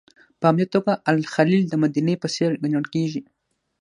په همدې توګه الخلیل د مدینې په څېر ګڼل کېږي.